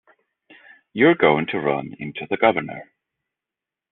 You're going to run into the Governor.